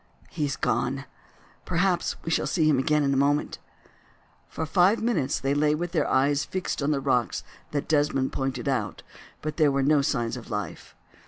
he is gone. Perhaps we shall see him again in a moment." For five minutes they lay with their eyes fixed on the rocks that Desmond pointed out, but there were no signs of life.